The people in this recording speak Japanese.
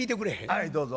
はいどうぞ。